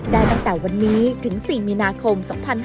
ได้ตั้งแต่วันนี้ถึง๔มีนาคม๒๕๕๙